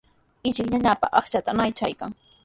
Ichik ñañanpa aqchanta ñaqchaykan.